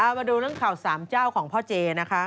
มาดูเรื่องข่าวสามเจ้าของพ่อเจนะคะ